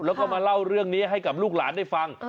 แล้วก็มาเล่าเรื่องนี้ให้กับลูกหลานได้ฟัง